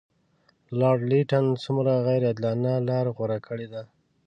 لارډ لیټن څومره غیر عادلانه لار غوره کړې ده.